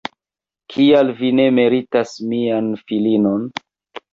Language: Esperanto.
Kial vi ne meritas mian filinon?